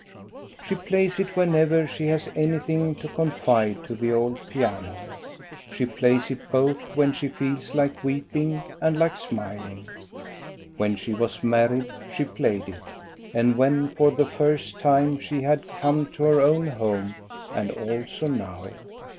She plays it whenever she has anything to confide to the old piano. She plays it both when she feels like weeping and like smiling. When she was mar ried she played it, and when for the first time she had come to her own home, and also now.